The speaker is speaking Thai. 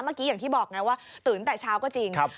เมื่อกี้อย่างที่บอกไงว่าตื่นแต่เช้าก็จริง